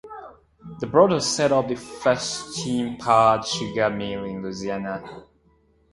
The brothers set up the first steam-powered sugar mill in Louisiana.